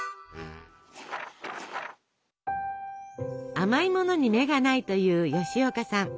甘いものに目がないという吉岡さん。